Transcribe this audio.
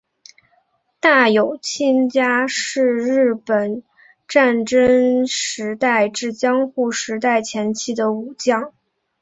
大友亲家是日本战国时代至江户时代前期的武将。